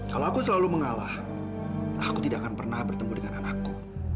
kalau aku selalu mengalah aku tidak akan pernah bertemu dengan anakku